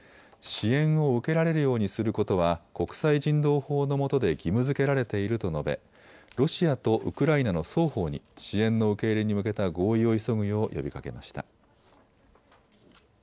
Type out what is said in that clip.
支援を受けられるようにすることは国際人道法のもとで義務づけられていると述べロシアとウクライナの双方に支援の受け入れに向けた合意を急ぐよう呼びかけました。